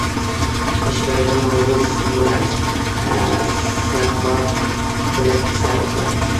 شپږمه ورځ سنباد بله کیسه وکړه.